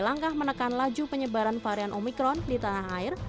untuk menuju penyebaran varian omikron di tanah air